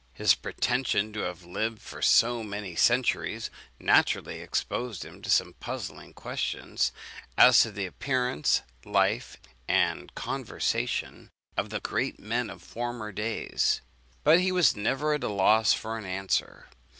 His pretension to have lived for so many centuries naturally exposed him to some puzzling questions, as to the appearance, life, and conversation of the great men of former days; but he was never at a loss for an answer.